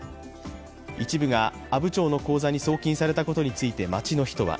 一部が阿武町の口座に送金されたことについて町の人は